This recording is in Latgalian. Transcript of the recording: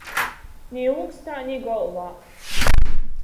Ni ūkstā, ni golvā.